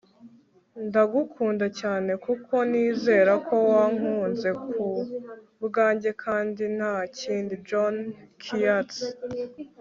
ndagukunda cyane kuko nizera ko wankunze ku bwanjye kandi nta kindi. - john keats